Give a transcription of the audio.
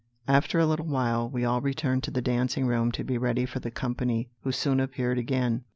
After a little while, we all returned to the dancing room to be ready for the company, who soon appeared again.